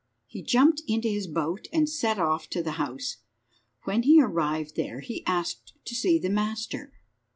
He jumped into his boat and set off to the house. When he arrived there he asked to see the master.